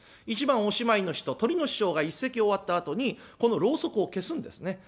一番おしまいの人トリの師匠が一席終わったあとにこのろうそくを消すんですね。